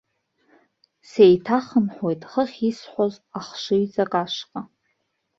Сеиҭахынҳәыхуеит хыхь исҳәаз ахшыҩҵак ашҟа.